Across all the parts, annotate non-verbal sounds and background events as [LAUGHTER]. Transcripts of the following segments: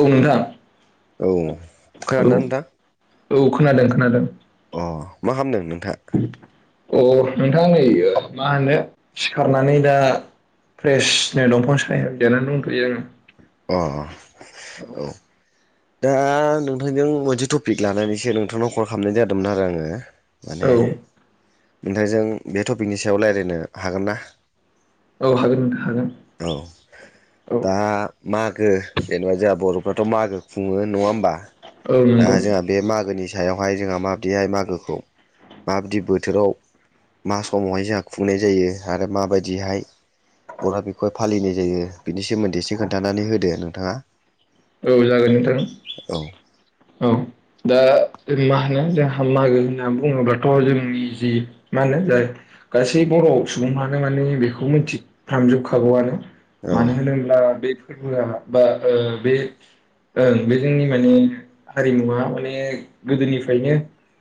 औ नोंथां औ औ खोनादोंना नोंथां औ। खोनादों खोनादों। अ मा खामदों नोंथा? अ नोंथां नै मा होनो सिखारनानै दा फ्रेसनो दंफां साया जेरान दंथ'यो आङो। अ औ। दा नोंथांजों मोनसे टपिक लानानैसो नोंथांनाव कल खालामनाय जादोंमोन आरो आङो। औ माने नोंथांजों बे टपिकनि सायाव रायलायनो हागोन ना? औ हागोन नोंथां। हागोन औ। औ दा मागो जेनेबा जोंहा बर'फ्राथ' मागो खुङो नङा होमबा। औ दा नंगौ जोंहा बे मागोनि सायावहाय जोंहा माबदिहाय मागोखौ माबदि बोथोराव मा समावहाय जोंहा खुंनाय जायो आरो माबायदिहाय बहा बे फालिनाय जायो बिनि सोमोन्दै एसो खोन्थानानै होदो नोंथाङा। औ जागोन नोंथां। औ औ। दा मा होनो जोंहा मागो होनना बुङोबाथ' जोंनि जि मा होनो जाय गासै बर' सुबुङानो माने बेखौ मिथिफ्रामजोबखागौआनो। औ मानो होनोब्ला बे [UNINTELLIGIBLE] बा ओ बे ओं बे जोंनि माने हारिमुवा माने गोदोनिफ्रायनो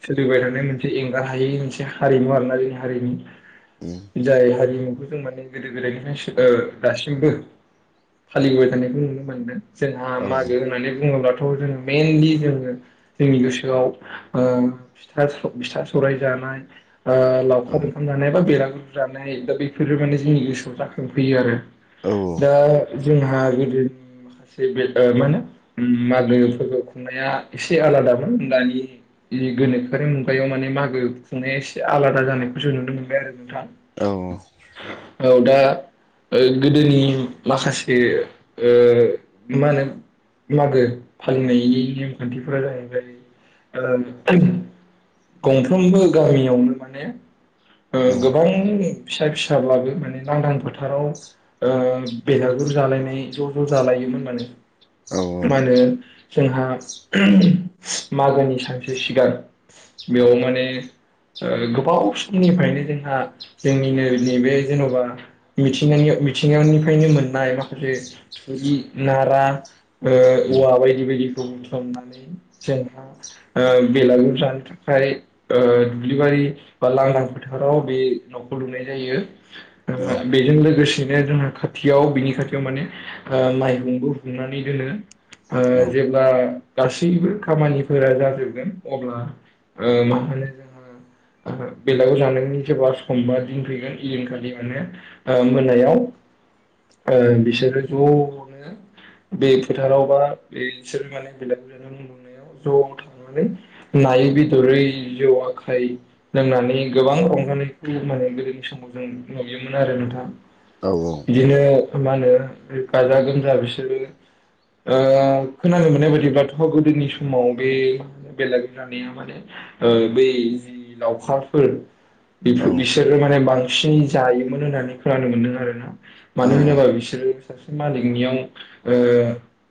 सोलिबायथानाय मोनसे एंगार हायि मोनसे हारिमु आरोना बे हारिनि। उम जाय हारिमुनि जों माने गोदो गोदायनिफ्राय ओ दासिमबो फालिबोबाय थानायखौ नुनो मोनदों। जोंहा औ मागो होननानै बुङोब्लाथ' जों मेइनलि जोङो जोंनि गोसोआव फिथा सौराय जानाय लावखार ओंखाम जानाय बा बेरागु जानाय दा बेफोरो माने जोंनि गोसोआव जाखांफैयो आरो दा जोंहा गोदोनि माखासे मा होनो मागो फोरबो खुंनाया एसे आलादामोन होम दानि जि गोनोखोआरि मुगायाव माने मागो खुंनाया एसे आलादा जानाय नुनो मोनबाय आरो नोंथां औ दा गोदोनि माखासे मा होनो मागो फालिनायनि नेमखान्थिफोरा जाहैबाय गंफ्रोमबो गामियावनो माने ओ गोबां फिसा फिसाब्लाबो माने लांदां फोथाराव ओ बेलागुर जालायनाय ज' ज' जालायोमोन माने मा होनो जोंहा मागोनि सानसो सिगां बेयाव माने ओ गोबाव समनिफ्रायनो जोंहा जोंनिनो नैबे जेन'बा मिथिंगानि मिथिगानिफ्रायनो मोननाय माखासे थुरि नारा ओ औवा बायदि बायदिखौ बुथुमनानै जोंहा ओ बेलागुर जानो ओ थाखाय दुब्लिबारि बा लांदां फोथाराव बे लुंनाय जायो ओ बेजों लोगोसे जोंहा खाथियाव बिनि खाथियाव माने माइहुंबो खुंमनानै दोनो ओ जेब्ला गासैबो खामानिफोरा जाजोबगोन अब्ला मा होनो जोंहा बेलागुर जानायनि सोरबा समबा दिन फैगोन इदिनखालि माने ओ मोनायाव [UNINTELLIGIBLE] ओ बिसोरो ज'नो बे फोथारावबा बे बिसोर माने बिलाइ बिलाइाव मोननायाव ज'आव थांनानै नायै बेदरै जौ आखाय लोंनानै गोबां रंजानायखौैयो माने गोदोनि सम जों नुयोमोन आरो नोंथां बिदिनो मा होनो गाजा गोमजा बिसोरो ओ खोनानो मोननाय बायदि गोदोनि समाव बे बेलागुर जानाया माने ओ बै लावखार खाफोर बिसोरो माने बांसिनै जायोमोन होननानै खोनानो मोनदों आरोना । मानो होनोबा बिसोरो सासे मालिकनियाव ओ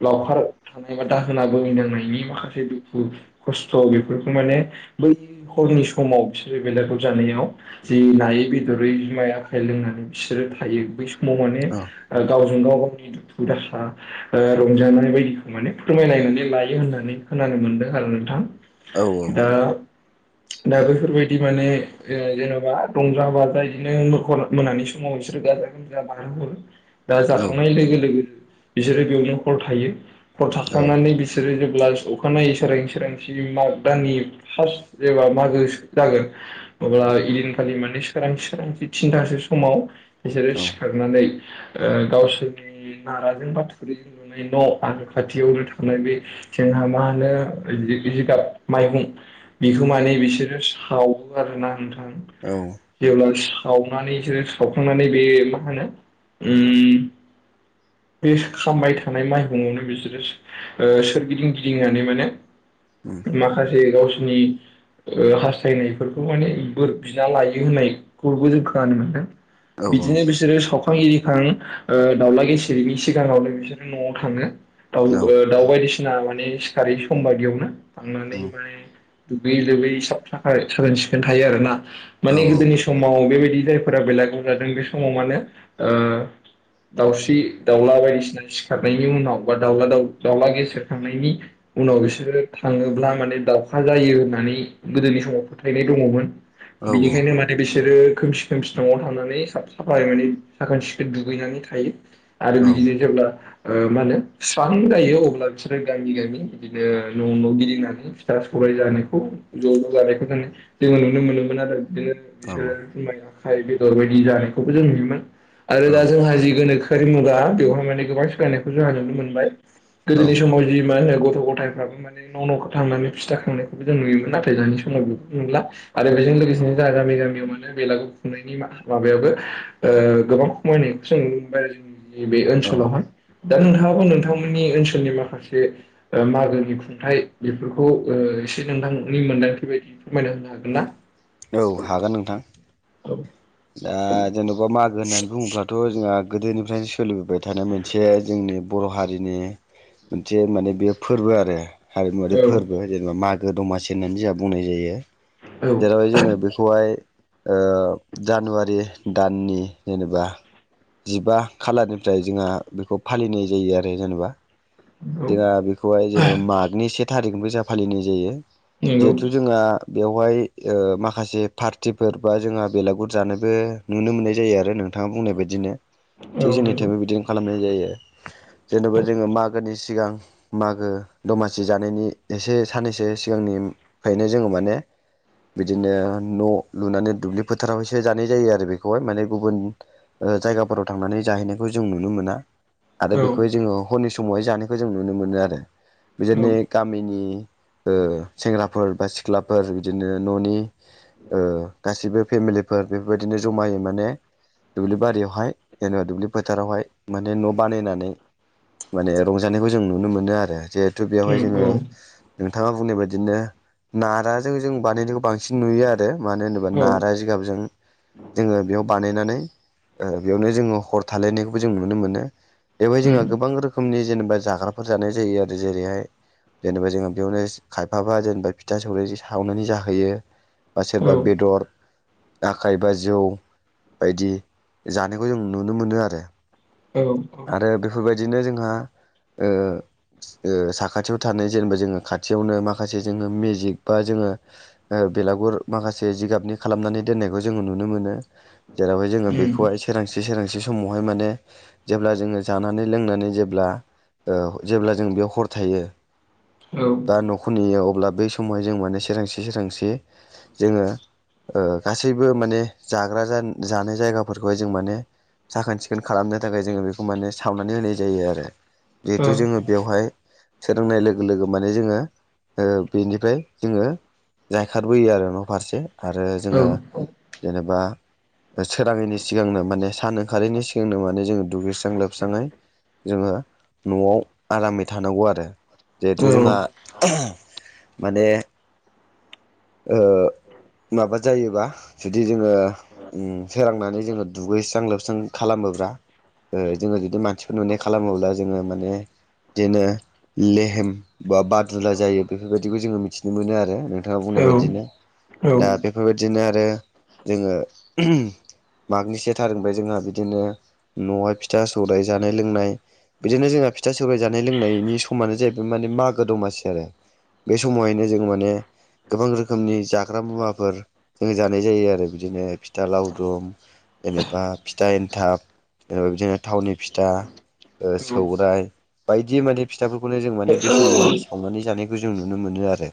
लावखार थानाय बा दाह होना बोहैनांनायनि माखासे दुखु खस्थ' बेफोरखौ माने बै हरनि समाव बिसोरो बेलागुर जानायाव जि नायै बेदरै आखाइ लोंनानै बिसोरो थायो बै सम समाव माने गावजों गाव गावनि दुखु दाहा रंजानाय बायदिखौ माने फोरमायनानै लायो होननानै खोनानो मोनदों आरो नोंथां दा दा बेैफोरबायदि माने जेन'बा रंजा बाजा बिदिनो मोनानि समाव [UNINTELLIGIBLE] दा जाखांनाय लोगो लोगो बिसोरो बेयावनो हर थायो हर थाखांनानै बिसोरो प्लास अखानायै सोरां सोरां माग दाननि फार्स्ट जेबा मागो जागोन अब्ला इदिनखालि माने सोरां सोरांथि थिनथासो समाव बिसोरो सिखारनानै ओ गावसोरनि नाराजों बाथखुरिजों नुनाय न' आ खाथियावनो बे जोंहा मा होनो जिगाब माइगं बेखौ माने बिसोरो सावो आरोना नोंथां जेब्ला सावनानैसोरो सावखांनानै बे मा होनो उ बे खामबाय थानाय माइहङावनो बिसोरो ओ सोरगिदिं गिदिंनानै माने माखासे गावसेरनि ओ हास्थायनायफोरखौ माने बोर बिना लायो होननायखौबो जों खोनानो मोनदों । बिदिनो बिसोरो सावखां इरिखां दाावला गेसि जेरै सिगाङावनो बिसोरनो न'आव थाङो दउ ओ दाउ बायदिसिना बसिना माने सिखारो सम बायदियावनो थांनानै माने दुगैयै लोबै सब साफा थोन थायो आरोना माने गोदोनि समाव समाव बेबायदि जायफोरा बेलागुर जादों बे समाव माने दाउस्रि दाउला बायदिसिना सिखारनायनि उनाव बा दाउला द दाउला गेसेेरखांनायनि उनाव बिसोरो थाङोब्ला माने दावउखा जायो होननानै गोदोनि समाव फोथायनाय दङमोन। बिनिखायनो माने बि बिसोरो खोमसि खोमसि न'आव थानानै सा साफ्लाय माने साखोन सिखोन दुगैनानै थायो। आरो बिदिनो जेब्ला ओ मा होनो स्रां जायो अब्ला बिसोरो गामि गामि बिदिनो न' न' गिदिंनानै फिथा स जानायखौ ज' ज' जानायखौ जों जोङो नुनो मोनोमोन आरो बिदिनो बिसोरो जुमाइ आखाइ बेदर बायदि जानायखौबो जों नुयोमोन। आरो दा जोंहा जि गोनोखोआरि मुगा बेवहाय माने गोबां सोलायनायखौ जोंहा नुनो मोनबाय। गोदोनि समाव जि मान हो गथ' गथायफ्राबो माने न' न'खौ थांनानै फिथा खांनायखौबो जों नुयोमोन नाथाय दानि समाव बेखौ नुला। आरो बेजों लोगोसेनो जोंहा गामि गामियावमोन बेलागुर खुंनायनि माबायाबो गोबां खमायनाय सों नुनो मोनबाय आरो जों बे ओनसोलावहाय दा नोंथाङाबो नोंथांमोननि ओनसोलनि माखासे मागोनि खुंथाइ बेफोरखौ ओ एसे नोंथांनि मोनदांथि बायदि फोरमायना होनो हागोन ना। औ हागोन नोंथां। औ दा जेन'बा मागो होननानै बुङोब्लाथ' जोंहा गोदोनिफ्रायनो सोलिबोबाय थानाय मोनसे जोंनि बर' हारिनि मोनसे माने बे फोरबो आरो। हारिमुवारि फोरबो जेनेबा मागो दमासि होननानै जोंहा बुंनाय जायो। औ जेरावहाय जोङो बेखौहाय जानुवारि दाननि जेनेबा जिबा खालारनिफ्राय जोंहा बेखौ फालिनाय जायो आरो जेनेबा औ जोंहा बेखौहाय जेनेबा मागनि से थारिखनिफ्राय जोंहा फालिनाय जायो नंगौ जिहेथु जोंहा बेवहाय माखासे पारटिफोर बा जोंहा बेलागुर जानायबो नुनो मोननाय जायो आरो नों नोंथाङा बुंनाय बायदिनो थिग औ जोंनि नंगौ थबो बिदिनो खालामनाय जायो औ जेनेबा जोङो मागोनि सिगां मागो दमासि जानायनि एसे साननैसो सिगांनिफ्रायनो जोङो माने बिदिनो न' लुनानै दुब्लि फोथारावहसो जानाय जायो आरो बेखौहाय माने गुबुन जायगाफोराव थांनानै जाहैनायखौ जों नुनो मोना। आरो औ बेखौहाय जोङो हरनि समावहाय जानायखौ जों नुनो मोनो आरो बिजोदनि उम गामिनि ओ सेंग्रा फोर बा सिख्लाफोर बिदिनो न'नि ओ गासिबो फेमिलिफोर बेफोरबायदिनो जमायै माने दुब्लि बारियावहाय जेनेबा दुब्लि फोथारावहाय माने न' बानायनानै माने रंजानायखौ जों नुनो मोनो आरो जिहेथु औ बेवहाय उम औ जोङो नोंथाङा बुंनाय बायदिनो नाराजों जों बानायनायखौ बांसिन नुयो आरो मानो होनोब्ला औ नारा जिगाबजों जोङो बेयाव बानाय नानै ओ बेयावनो जों हर थालायनायबो जों नुनो मोन बेवहाय जोंहा उम गोबां रोखोमनि जेनेबा जाग्राफोर जानाय जायो आरो जेरैहाय जेनेबा जोङो बेयावनो खायफाबा जेनेबा फिथा सौर सावनानै जाहैयो। बा औ सोरबा बेदर आखाइ बा जौ बायदि जानायखौ जों नुनो मोनो आरो औ औ आरो बेफोरबायदि बिदिनो जोंहा साखाथियाव थानाय जेनेबा जोङो खाथियावनो माखासे जोङो मेजिक बा जोङो बेलागुर माखासे जिगाबनि खालामनानै दोननायखौ जोङो नुनो मोनो जेरावहाय जोङो बेखौहाय सोरांसि सोरांसि समाव बेवहाय माने जेब्ला जोङो जानानै लोंनानै जेब्ला ओ जेब्ला जों बेयाव हर थायो बा न'खर नेुयो अब्ला बै सम समाव जों माने सोरांसि सांसि जोङो ओ गासैबो माने जाग्रा जानाय जायगाफोरखौहाय जों माने साखोन सिखोन खालामनो थाखाय जोङो बेखौ माने सावनानै होनाय जायो आरो जिहेथु जोङो बेवहाय सोरांनाय लोगो लोगो माने जोङो ओ बेनिफ्राय जोङो जायखारबोयो आरो न' फारसे आरो औ जोङो जेनेबा सोराङैनि सिगांनो माने सान ओंखारैनि सिगांनो माने जोङो दुगैस्रां लोबस्राङै जोङो न'आव आरामै थानांगौ आरो जिहेथु जोंहा माने ओ माबा जायोबा जुदि जोङो सोरांनानै जोङो दुगैस्रां लोबस्रां खालामो होग्रा ओ जोङो जुदि मानसिफोर नुनाय खालामोब्ला जोङो माने बिदिनो लेहेम बा बादुला जायो बेफोरबायदिखौ जोङो मिथिनो मोनो आरो नोंथाङा बुं बादिनो औ दा औ औ बेफोरबायदिनो आरो जोङो मागनि से थारिखनिफ्राय जोंहा बिदिनो न'आव हाय फिथा सौदराय जानाय लोंनाय बिदिनो जोंहा फिथा सौाइ जानाय लोंनायनि समानो जाहैबाय माने मागो दमासि आरो बे समावहायनो जों माने गोबां रोखोमनि जाग्रा मुवाफोर जोङो जानाय जायो आरो बिदिनो फिथा लावदुम जेनेबा फिथा एन्थाब ओ जेनेबा बिदिनो थावनि फिथा ओ सौरायाइ बायदि माने फिथाफोरखौनो जों माने बे समावहाय संनानै जानायखौ जों नुनो मोनो आरो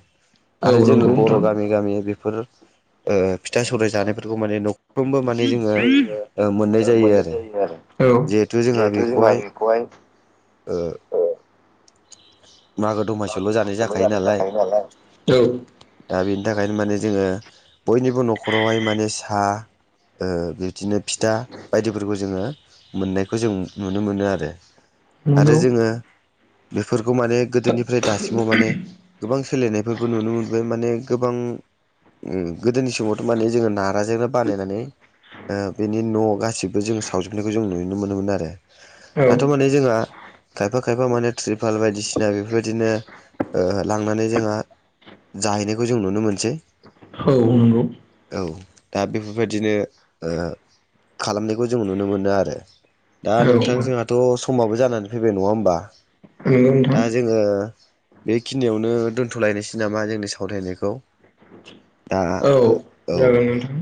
आरो जोंनि नंगौ बर' नोंथां। गामि गामि बेफोर ओ फिथा सौराय जानायफोरखौ माने न'फ्रोमबो माने जोङो ओ मोननाय जायो आरो जिहेथु जोंहा बेखौहाय ओ मागो दमासि ल' जानाय जाखायो नालाय औ दा बे बिनि थाखायनो माने जोङो बयनिबो न'खरावहाय माने सा ओ बिबदिनो फिथा बायदिफोरखौ जोङो मोननायखौ जों नुनो मोनो आरो आरो नंगौ जोङो बेफोरखौ माने गोदोनिफ्राय दासिमाव माने गोबां सोलायनायफोरखौ नुनो मोनबाय माने गोबां ओम गोदोनि समावथ' माने जोङो नाराजोंनो बानायनानै ओ बेनि न' गासिबो जों सावजोबनायखौ जों नुनो मोनोमोन आरो औ माने जोंहा खायफा खायफा माने त्रिपाल बायदिसिना बेफोरबायदिनो ओ लांनानै जोंहा जाहैनायखौ जों नुनो मोनसै औ नंगौ औ दा बेफोरबायदिनो ओ खालामनायखौ जों नुनो मोनो आरो दा औ नोंथां नंगौ जोंहा अ समाबबो जानानै फैबाय नङा होमबा नोंथां दा जोङो बेखिनियावनो दोन्थ'लायनोसै नामा जोंनि सावरायनायखौ दा औ औ जागोन नोंथां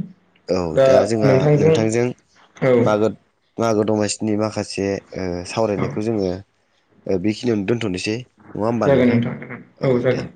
औ दा जोंहा नोंथांजों औ मागो औ मागो दमासिनि माखासे ओ सावरायनायखौ जोङो बेखिनियावनो दोनथ'नोसै नङा होमबा जागोन नोंथां जागोन औ दे जागोन।